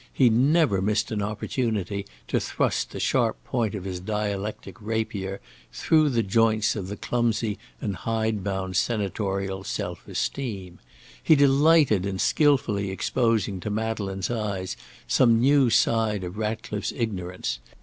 He never missed an opportunity to thrust the sharp point of his dialectic rapier through the joints of the clumsy and hide bound senatorial self esteem. He delighted in skilfully exposing to Madeleine's eyes some new side of Ratcliffe's ignorance.